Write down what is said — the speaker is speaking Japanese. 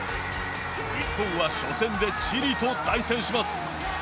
日本は、初戦でチリと対戦します。